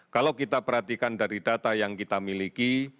kalau kita perhatikan dari data yang kita miliki